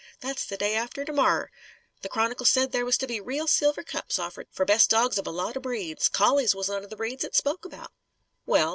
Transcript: That's the day after to morror. The Chron'cle said there was to be reel silver cups offered fer best dawgs of a lot of breeds. Collies was one of the breeds it spoke about." "Well?"